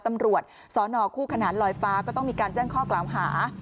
ตำรวจสนคู่ขนานลอยฟ้าก็ต้องมีการแจ้งข้อกล่าวหา